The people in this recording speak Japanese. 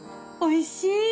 おいしい。